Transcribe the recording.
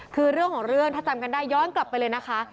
คือเรื่องของเรื่องถ้าจำกันได้ย้อนกลับไปเลยนะคะ